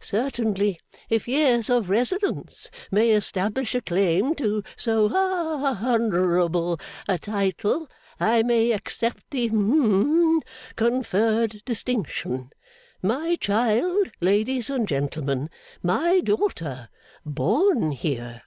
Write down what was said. Certainly, if years of residence may establish a claim to so ha honourable a title, I may accept the hum conferred distinction. My child, ladies and gentlemen. My daughter. Born here!